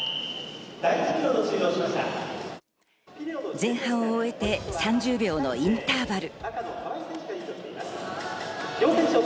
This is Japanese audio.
前半を終えて３０秒のインターバル。